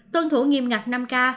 tuân thủ nghiêm ngặt năm k